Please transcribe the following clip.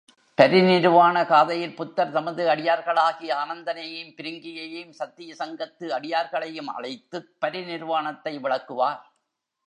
பரிநிருவாண காதை யில் புத்தர் தமது அடியார்களாகிய ஆனந்தனையும் பிருங்கியையும் சத்தியசங்கத்து அடியார்களையும் அழைத்துப் பரிநிருவாணத்தை விளக்குவார்.